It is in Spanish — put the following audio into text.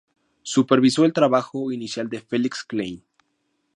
Supervisó el trabajo inicial de Felix Klein.